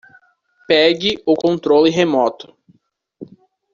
Pegue o controle remoto.